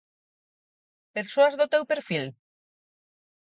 Persoas do teu perfil?